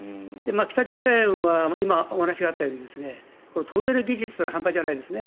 北朝鮮は今、お話があったようにトンネル技術が半端じゃないです。